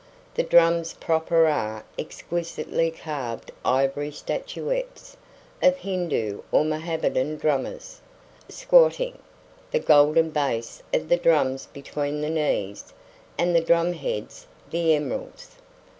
The drums proper are exquisitely carved ivory statuettes, of Hindu or Mohammedan drummers, squatting, the golden base of the drums between the knees, and the drumheads the emeralds.